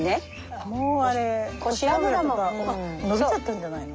もうあれコシアブラも伸びちゃったんじゃないの？